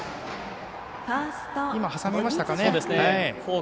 今、挟みましたかね。